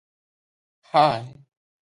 But how could anything go wrong?